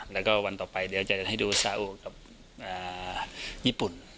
แล้วก็วันต่อไปเดี๋ยวจะให้ดูซาอุกับญี่ปุ่น